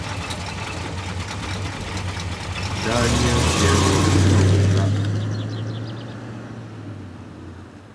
Dányə́ ghɛ́ghɔm nə ghɔmlá'.